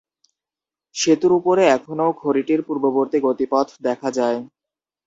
সেতুর উপরে এখনও খাঁড়িটির পূর্ববর্তী গতিপথ দেখা যায়।